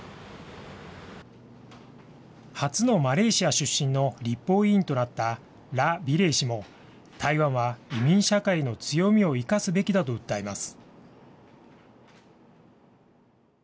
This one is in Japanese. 初のマレーシア出身の立法委員となった羅美玲氏も、台湾は移民社会の強みを生かすべきだと訴えます。